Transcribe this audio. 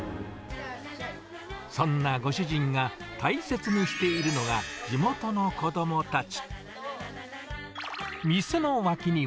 そんなご主人が大切にしているのが、地元の子どもたち。